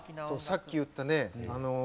さっき言ったね